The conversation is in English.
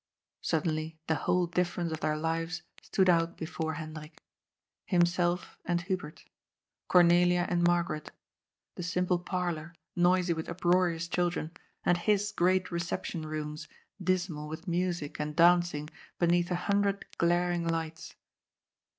Suddenly the whole difference of their lives stood out before Hendrik. Himself and Hubert. Cornelia and Mar garet. The simple parlour, noisy with uproarious children, and his great reception rooms, dismal with music and danc ing beneath a hundred glaring lights.